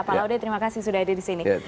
pak laude terima kasih sudah hadir di sini